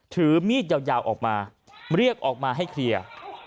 ถือมีดยาวออกมาเรียกออกมาให้เคลียร์